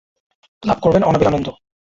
লাভ করবেন অনাবিল আনন্দ।